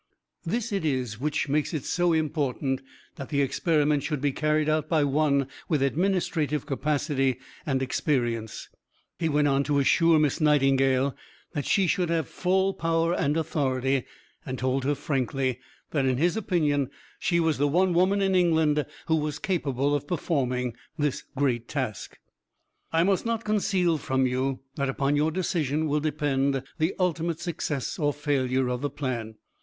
This it is which makes it so important that the experiment should be carried out by one with administrative capacity and experience." He went on to assure Miss Nightingale that she should have full power and authority, and told her frankly that in his opinion she was the one woman in England who was capable of performing this great task. "I must not conceal from you that upon your decision will depend the ultimate success or failure of the plan....